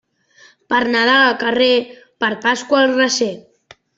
Per Nadal al carrer, per Pasqua al recer.